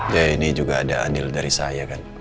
ya rini juga ada anil dari saya kan